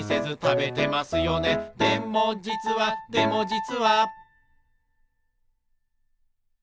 「でもじつはでもじつは」